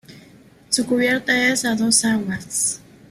Su cubierta es a dos aguas.